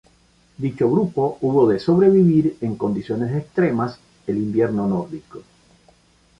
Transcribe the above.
Dicho grupo hubo de sobrevivir en condiciones extremas el invierno nórdico.